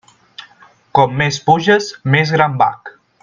Com més puges, més gran bac.